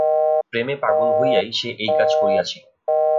প্রেমে পাগল হইয়াই সে এই কাজ করিয়াছিল।